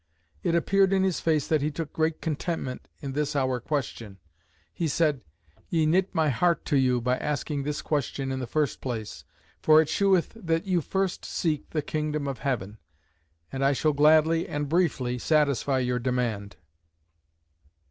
It appeared in his face that he took great contentment in this our question: he said; "Ye knit my heart to you, by asking this question in the first place; for it sheweth that you first seek the kingdom of heaven; and I shall gladly, and briefly, satisfy your demand.